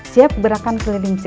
siap berakan keliling cegahan